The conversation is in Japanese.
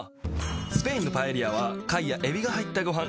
スペインのパエリアは貝やエビが入ったごはん。